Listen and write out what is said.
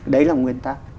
đấy là nguyên tắc